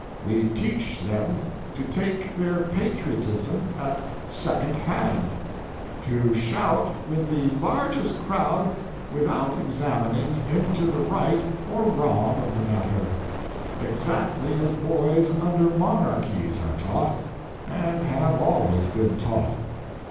We teach them to take their patriotism at second hand; to shout with the largest crowd without examining into the right or wrong of the matter exactly as boys under monarchies are taught, and have always been taught."